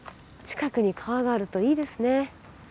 近くに川があるといいですね。